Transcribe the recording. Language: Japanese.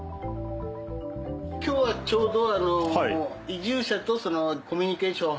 今日はちょうど。